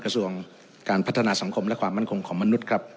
กระทรวงการพัฒนาสังคมและความมั่นคงของมนุษย์ครับ